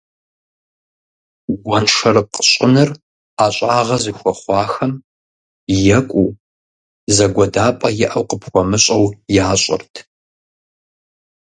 Гуэншэрыкъ щӀыныр ӀэщӀагъэ зыхуэхъуахэм екӀуу, зыгуэдапӀэ иӀэу къыпхуэмыщӀэу ящӀырт.